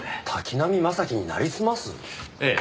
ええ。